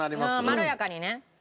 まろやかにね。